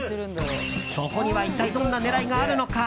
そこには一体どんな狙いがあるのか。